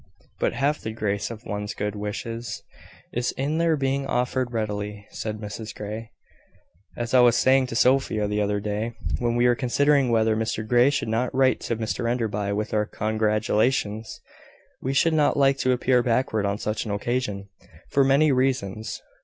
"But half the grace of one's good wishes is in their being offered readily," said Mrs Grey, "as I was saying to Sophia, the other day, when we were considering whether Mr Grey should not write to Mr Enderby with our congratulations. We should not like to appear backward on such an occasion, for many reasons.